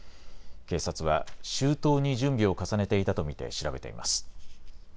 警察は周到に準備を重ねていたと見て調べています。